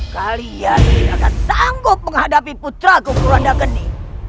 kali ini akan sanggup menghadapi putraku purwanda geni